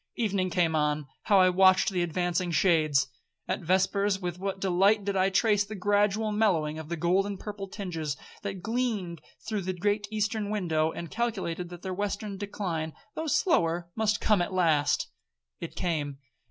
Evening came on; how I watched the advancing shades! At vespers, with what delight did I trace the gradual mellowing of the gold and purple tinges that gleamed through the great eastern window, and calculated that their western decline, though slower, must come at last!—It came.